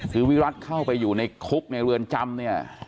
คือวิรัติเข้าไปอยู่ในคุกในเรือนจำเนี่ย